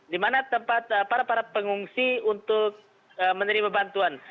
di mana tempat para para pengungsi untuk menerima bantuan